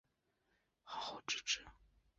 宋太祖孝惠贺皇后之侄。